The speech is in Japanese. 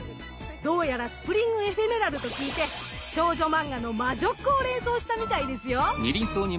どうやらスプリング・エフェメラルと聞いて少女マンガの魔女っ子を連想したみたいですよ！